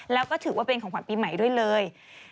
แล้วก็ถือว่าเป็นของขวัญปีใหม่ด้วยเลย